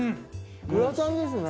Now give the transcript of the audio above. グラタンですね。